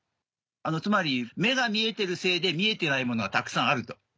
つまり目が見えてるせいで見えてないものはたくさんあると。